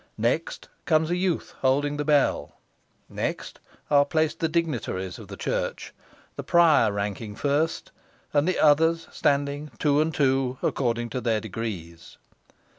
Next comes a youth holding the bell. Next are placed the dignitaries of the church, the prior ranking first, and the others standing two and two according to their degrees.